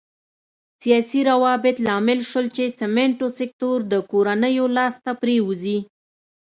سیاسي روابط لامل شول چې سمنټو سکتور د کورنیو لاس ته پرېوځي.